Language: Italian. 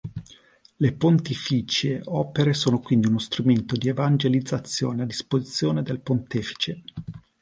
Le Pontificie Opere sono quindi uno strumento di evangelizzazione a disposizione del pontefice.